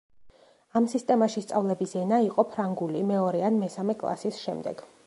ამ სისტემაში სწავლების ენა იყო ფრანგული მეორე ან მესამე კლასის შემდეგ.